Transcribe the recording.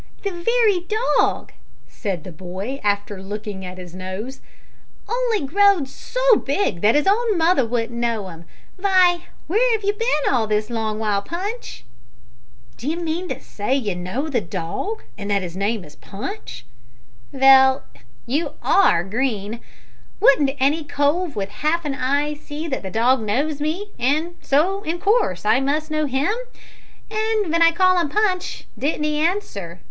"The wery dog," said the boy, after looking at his nose; "only growed so big that his own mother wouldn't know 'im. Vy, where 'ave you bin all this long while, Punch?" "D'you mean to say that you know the dog, and that his name is Punch?" "Vell, you are green. Wouldn't any cove with half an eye see that the dog knows me, an' so, in course, I must know him? An' ven I called 'im Punch didn't he answer?